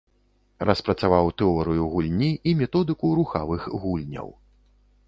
Распрацаваў тэорыю гульні і методыку рухавых гульняў.